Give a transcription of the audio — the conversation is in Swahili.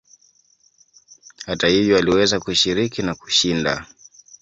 Hata hivyo aliweza kushiriki na kushinda.